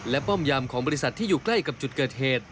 และป้อมยามของบริษัทที่อยู่ใกล้กับจุดเกิดเหตุ